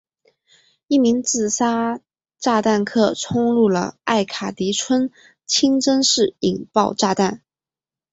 一名自杀炸弹客冲入了艾卡迪村清真寺引爆炸弹。